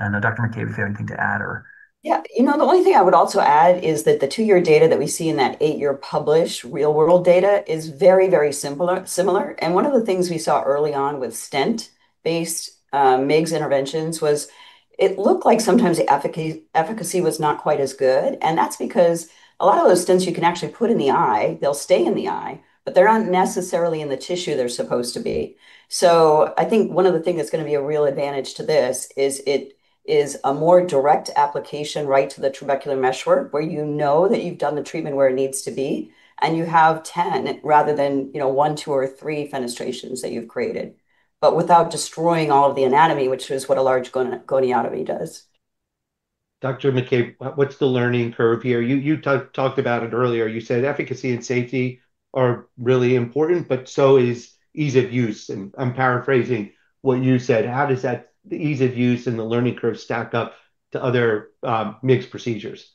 Dr. McCabe, if you have anything to add or. Yeah. You know, the only thing I would also add is that the two-year data that we see in that eight-year published real world data is very, very similar. One of the things we saw early on with iStent-based MIGS interventions was it looked like sometimes the efficacy was not quite as good, and that's because a lot of those stents you can actually put in the eye, they'll stay in the eye, but they're not necessarily in the tissue they're supposed to be. I think one other thing that's gonna be a real advantage to this is it is a more direct application right to the trabecular meshwork, where you know that you've done the treatment where it needs to be, and you have 10 rather than, you know, one, two or three fenestrations that you've created, but without destroying all of the anatomy, which is what a large goniotomy does. Dr. McCabe, what's the learning curve here? You talked about it earlier. You said efficacy and safety are really important, but so is ease of use, and I'm paraphrasing what you said. How does the ease of use and the learning curve stack up to other MIGS procedures?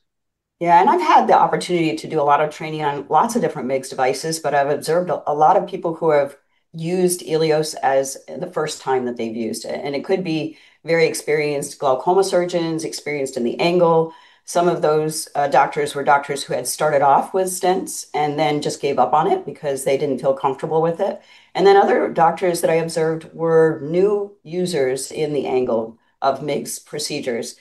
Yeah. I've had the opportunity to do a lot of training on lots of different MIGS devices, but I've observed a lot of people who have used ELIOS as the first time that they've used it, and it could be very experienced glaucoma surgeons, experienced in the angle. Some of those doctors were doctors who had started off with stents and then just gave up on it because they didn't feel comfortable with it. Other doctors that I observed were new users in the angle of MIGS procedures,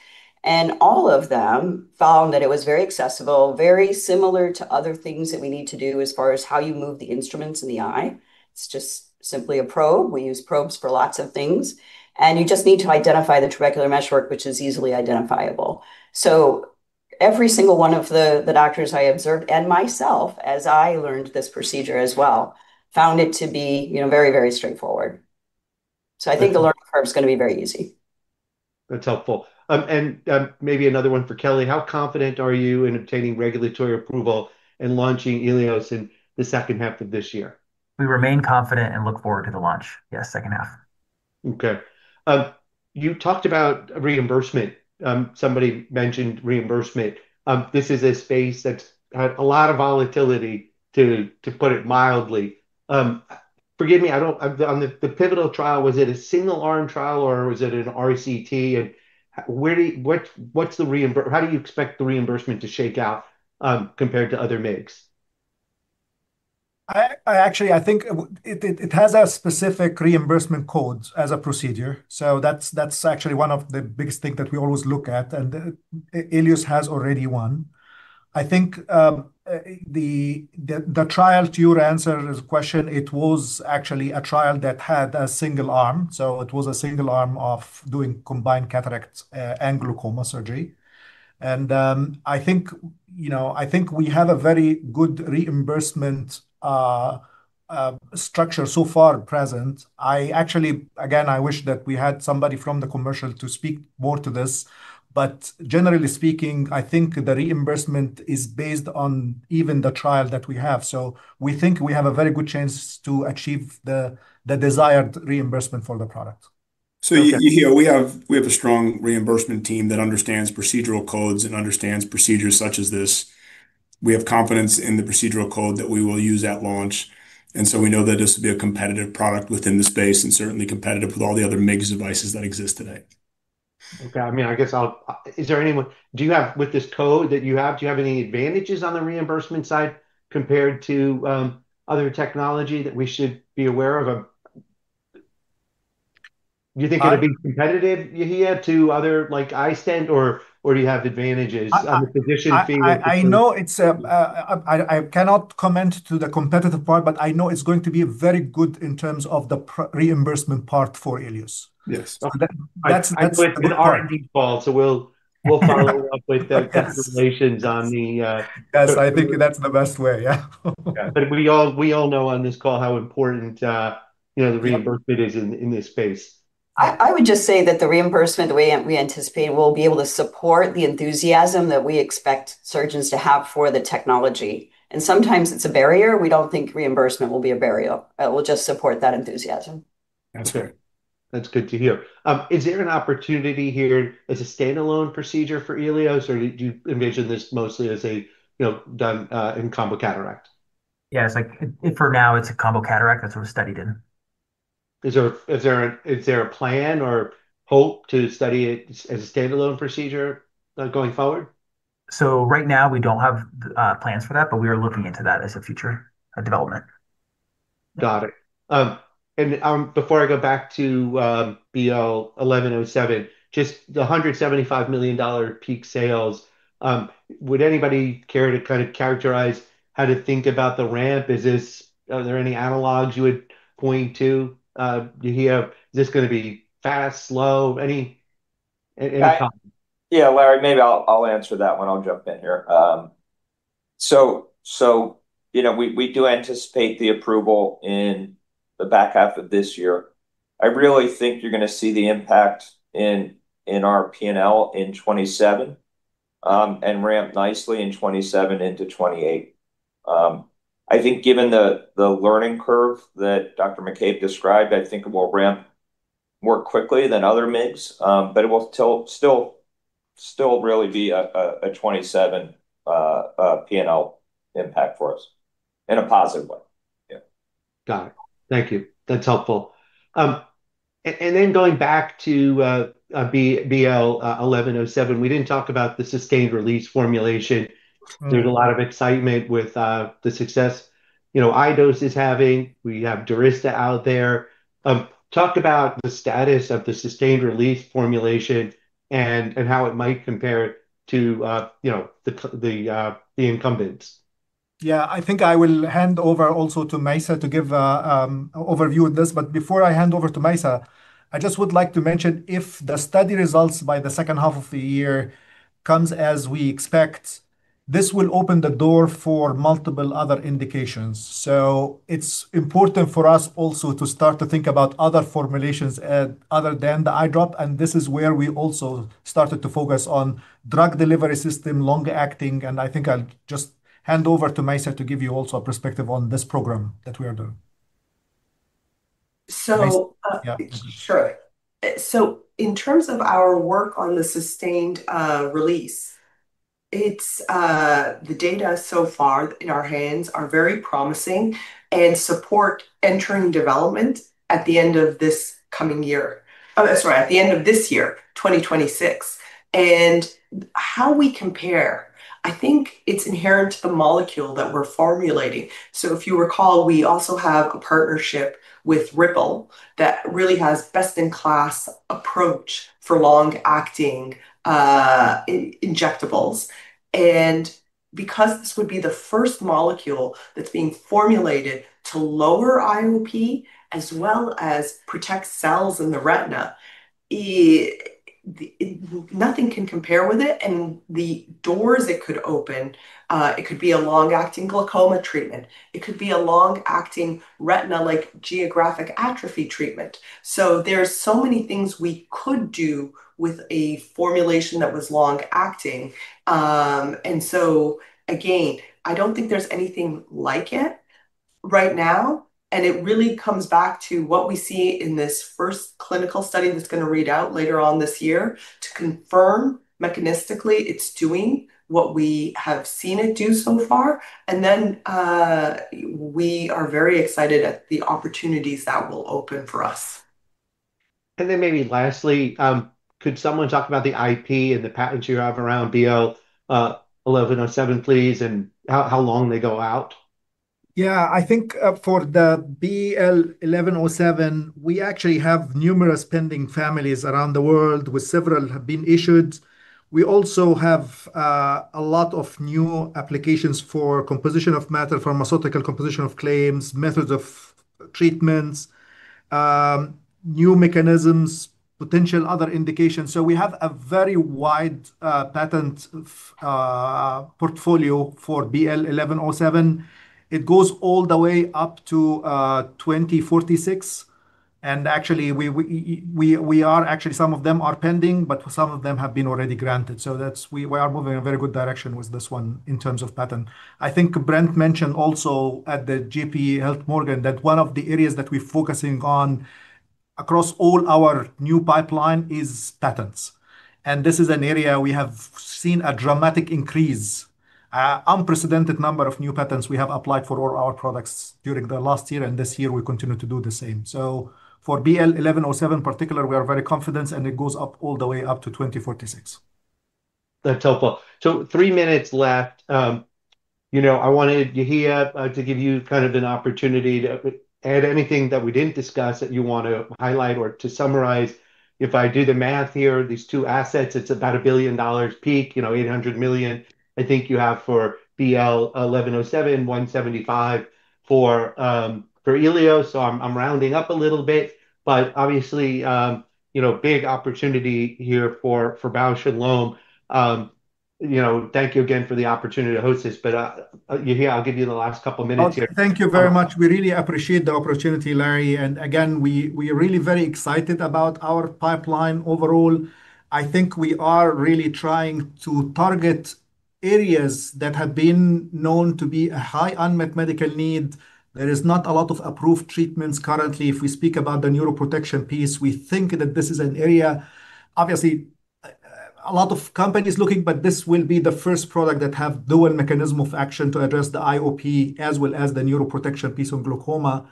and all of them found that it was very accessible, very similar to other things that we need to do as far as how you move the instruments in the eye. It's just simply a probe. We use probes for lots of things, and you just need to identify the trabecular meshwork, which is easily identifiable. Every single one of the doctors I observed, and myself as I learned this procedure as well, found it to be, you know, very, very straightforward. I think the learning curve is going to be very easy. That's helpful. Maybe another one for Kelly. How confident are you in obtaining regulatory approval and launching ELIOS in the second half of this year? We remain confident and look forward to the launch. Yes, second half. Okay. You talked about reimbursement. Somebody mentioned reimbursement. This is a space that's had a lot of volatility to put it mildly. Forgive me, on the pivotal trial, was it a single arm trial, or was it an RCT? How do you expect the reimbursement to shake out, compared to other MIGS? I actually think it has a specific reimbursement code as a procedure. That's actually one of the biggest thing that we always look at, and ELIOS has already won. I think the trial to answer your question, it was actually a trial that had a single arm. It was a single arm of doing combined cataracts and glaucoma surgery. I think you know, I think we have a very good reimbursement structure so far present. I actually wish that we had somebody from the commercial to speak more to this. Generally speaking, I think the reimbursement is based on even the trial that we have. We think we have a very good chance to achieve the desired reimbursement for the product. You know we have a strong reimbursement team that understands procedural codes and understands procedures such as this. We have confidence in the procedural code that we will use at launch, and so we know that this will be a competitive product within the space and certainly competitive with all the other MIGS devices that exist today. Okay. I mean, with this code that you have, do you have any advantages on the reimbursement side compared to other technology that we should be aware of? Do you think it'll be competitive, Yehia, to other, like, iStent or do you have advantages on the physician fee or I cannot comment on the competitive part, but I know it's going to be very good in terms of the reimbursement part for ELIOS. Yes. That's, that's- It's an R&D call, so we'll follow up with the details on the. Yes, I think that's the best way. Yeah. We all know on this call how important, you know, the reimbursement is in this space. I would just say that the reimbursement the way we anticipate will be able to support the enthusiasm that we expect surgeons to have for the technology. Sometimes it's a barrier. We don't think reimbursement will be a barrier. It will just support that enthusiasm. That's good. That's good to hear. Is there an opportunity here as a stand-alone procedure for ELIOS, or do you envision this mostly as a, you know, done in combo cataract? Yeah. It's like for now it's a combo cataract. That's what we studied in. Is there a plan or hope to study it as a stand-alone procedure, going forward? Right now we don't have plans for that, but we are looking into that as a future development. Got it. Before I go back to BL 1107, just the $175 million peak sales, would anybody care to kind of characterize how to think about the ramp? Are there any analogs you would point to, Yehia? Is this going to be fast, slow? Any- Yeah, Larry, maybe I'll answer that one. I'll jump in here. You know, we do anticipate the approval in the back half of this year. I really think you're going to see the impact in our P&L in 2027, and ramp nicely in 2027 into 2028. I think given the learning curve that Dr. McCabe described, I think it will ramp more quickly than other MIGS, but it will still really be a 2027 P&L impact for us in a positive way. Yeah. Got it. Thank you. That's helpful. Going back to BL 1107, we didn't talk about the sustained release formulation. There's a lot of excitement with the success, you know, iDose is having. We have DURYSTA out there. Talk about the status of the sustained release formulation and how it might compare to, you know, the incumbents. Yeah. I think I will hand over also to Mayssa to give a overview of this. Before I hand over to Mayssa, I just would like to mention if the study results by the second half of the year comes as we expect, this will open the door for multiple other indications. It's important for us also to start to think about other formulations, other than the eye drop, and this is where we also started to focus on drug delivery system, long-acting. I think I'll just hand over to Mayssa to give you also a perspective on this program that we are doing. So, uh- Mayssa? Yeah.Sure. In terms of our work on the sustained release, it's the data so far in our hands are very promising and support entering development at the end of this coming year. Oh, that's right, at the end of this year, 2026. How we compare, I think it's inherent to the molecule that we're formulating. If you recall, we also have a partnership with Ripple that really has best in class approach for long-acting injectables. Because this would be the first molecule that's being formulated to lower IOP as well as protect cells in the retina, nothing can compare with it, and the doors it could open, it could be a long-acting glaucoma treatment. It could be a long-acting retina, like geographic atrophy treatment. There's so many things we could do with a formulation that was long acting. Again, I don't think there's anything like it right now, and it really comes back to what we see in this first clinical study that's going to read out later on this year to confirm mechanistically it's doing what we have seen it do so far. We are very excited at the opportunities that will open for us. Maybe lastly, could someone talk about the IP and the patents you have around BL 1107, please, and how long they go out? I think for the BL 1107, we actually have numerous pending families around the world, with several have been issued. We also have a lot of new applications for composition of matter, pharmaceutical composition of claims, methods of treatments, new mechanisms, potential other indications. We have a very wide patent portfolio for BL 1107. It goes all the way up to 2046. Actually we are actually some of them are pending, but some of them have been already granted. That's we are moving in a very good direction with this one in terms of patent. I think Brent mentioned also at the J.P. Morgan that one of the areas that we're focusing on across all our new pipeline is patents, and this is an area we have seen a dramatic increase. Unprecedented number of new patents we have applied for all our products during the last year and this year we continue to do the same. For BL 1107 particular, we are very confident, and it goes up all the way up to 2046. That's helpful. Three minutes left. You know, I wanted Yehia to give you kind of an opportunity to add anything that we didn't discuss that you want to highlight or to summarize. If I do the math here, these two assets, it's about $1 billion peak, you know, $800 million, I think you have for BL 1107, $175 million for ELIOS. I'm rounding up a little bit. Obviously, you know, big opportunity here for Bausch + Lomb. You know, thank you again for the opportunity to host this. Yehia, I'll give you the last couple minutes here. Thank you very much. We really appreciate the opportunity, Larry. Again, we are really very excited about our pipeline overall. I think we are really trying to target areas that have been known to be a high unmet medical need. There is not a lot of approved treatments currently. If we speak about the neuroprotection piece, we think that this is an area obviously a lot of companies looking, but this will be the first product that have dual mechanism of action to address the IOP as well as the neuroprotection piece of glaucoma.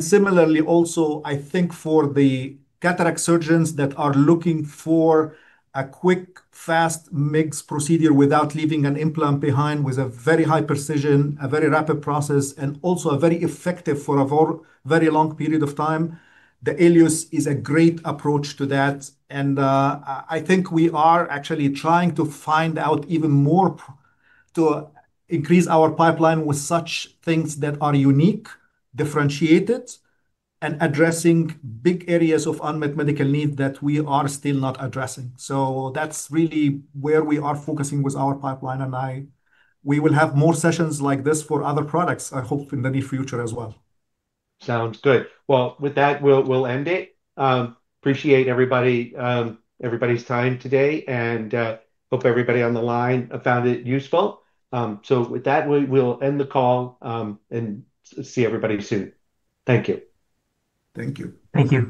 Similarly, also, I think for the cataract surgeons that are looking for a quick, fast MIGS procedure without leaving an implant behind, with a very high precision, a very rapid process, and also a very effective for a very long period of time, the ELIOS is a great approach to that. I think we are actually trying to find out even more to increase our pipeline with such things that are unique, differentiated, and addressing big areas of unmet medical need that we are still not addressing. That's really where we are focusing with our pipeline, and we will have more sessions like this for other products, I hope in the near future as well. Sounds good. Well, with that, we'll end it. Appreciate everybody's time today, and hope everybody on the line found it useful. With that, we'll end the call, and see everybody soon. Thank you. Thank you. Thank you.